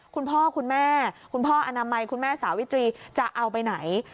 คุณพ่อคุณแม่คุณพ่ออนามัยคุณแม่สาวิตรีจะเอาไปไหน